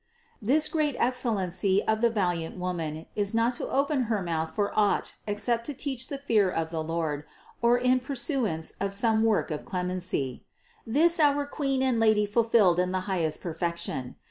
This great excellency of the valiant Woman is not to open her mouth for ought except to teach the fear of the Lord, or in pur suance of some work of clemency. This our Queen and Lady fulfilled in the highest perfection.